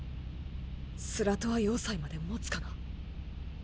スラトア要塞まで保つかな。